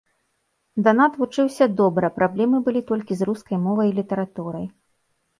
Данат вучыўся добра, праблемы былі толькі з рускай мовай і літаратурай.